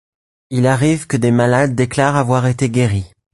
Il arrive que des malades déclarent avoir été guéri.